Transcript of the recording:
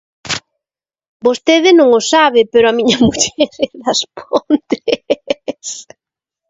Vostede non o sabe, pero a miña muller é das Pontes.